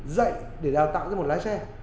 dạy để đào tạo cho một lái xe